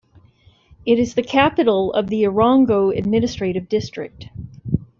It is the capital of the Erongo administrative district.